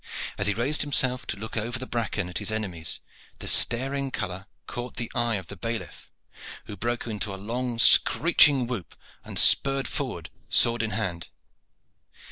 As he raised himself to look over the bracken at his enemies, the staring color caught the eye of the bailiff, who broke into a long screeching whoop and spurred forward sword in hand.